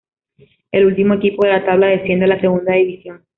El último equipo de la tabla desciende a la Segunda División.